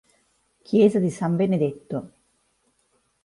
Chiesa di San Benedetto